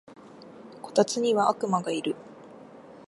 こたつには悪魔がいる